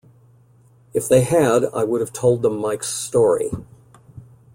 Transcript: If they had, I would have told them Mike's story.